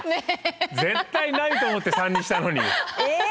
絶対ないと思って３にしたのに。